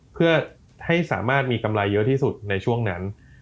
เพื่อให้สามารถมีกำไรเยอะที่สุดในช่วงนั้น